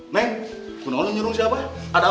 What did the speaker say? neng pun orang nyuruh si abah